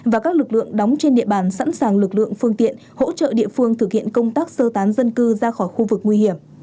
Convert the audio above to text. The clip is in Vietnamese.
và các lực lượng đóng trên địa bàn sẵn sàng lực lượng phương tiện hỗ trợ địa phương thực hiện công tác sơ tán dân cư ra khỏi khu vực nguy hiểm